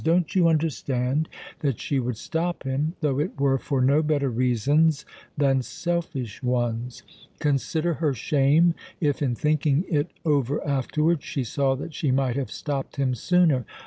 "Don't you understand that she would stop him, though it were for no better reasons than selfish ones? Consider her shame if, in thinking it over afterwards, she saw that she might have stopped him sooner!